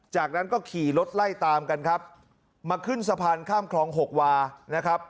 จากนั้นก็ขี่รถไล่ตามกันครับมาขึ้นสะพานข้ามคลองหกวานะครับ